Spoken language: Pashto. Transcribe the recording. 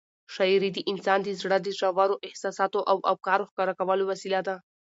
شاعري د انسان د زړه د ژورو احساساتو او افکارو ښکاره کولو وسیله ده.